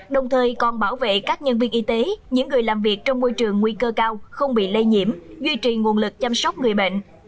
đồng thời còn bảo vệ các nhân viên y tế những người làm việc trong môi trường nguy cơ cao không bị lây nhiễm duy trì nguồn lực chăm sóc người bệnh